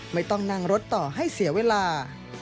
ไม่ต้องนั่งรถต่อให้เสียเวลา